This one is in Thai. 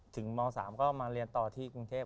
ม๓ก็มาเรียนต่อที่กรุงเทพ